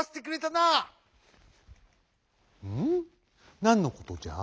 なんのことじゃ？